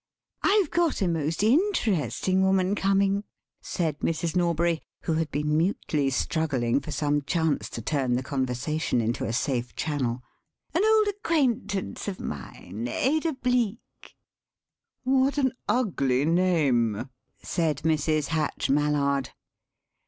"I've got a most interesting woman coming," said Mrs. Norbury, who had been mutely struggling for some chance to turn the conversation into a safe channel; "an old acquaintance of mine, Ada Bleek—" "What an ugly name," said Mrs. Hatch Mallard.